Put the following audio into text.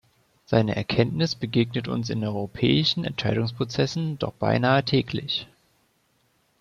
Seine Erkenntnis begegnet uns in europäischen Entscheidungsprozessen doch beinahe täglich.